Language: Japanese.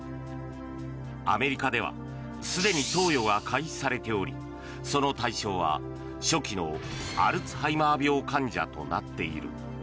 アメリカではすでに投与が開始されておりその対象は初期のアルツハイマー病患者となっている。